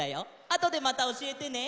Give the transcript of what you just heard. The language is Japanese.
あとでまたおしえてね。